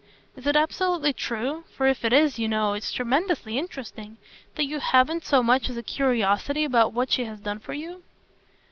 "Is it absolutely true for if it is, you know, it's tremendously interesting that you haven't so much as a curiosity about what she has done for you?"